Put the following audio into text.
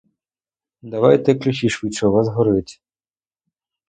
Давайте ключі швидше, у вас горить!